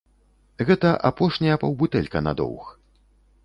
Гэта апошняя паўбутэлька на доўг.